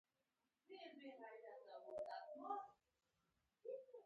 سخاوت انسان د خلکو او خدای محبوب کوي.